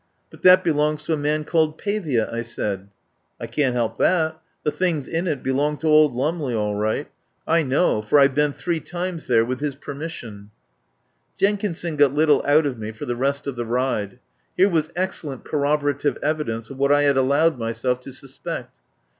"But that belongs to a man called Pavia," I said. "I can't help that. The things in it be long to old Lumley, all right. I know, for I've been three times there with his per mission." Jenkinson got little out of me for the rest of the ride. Here was excellent corrobora tive evidence of what I had allowed myself 44 I FIRST HEAR OF ANDREW LUMLEY to suspect.